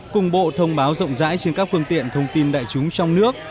cùng bộ thông báo rộng rãi trên các phương tiện thông tin đại chúng trong nước